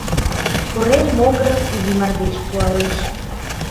Корем могырым изи мардеж пуалеш.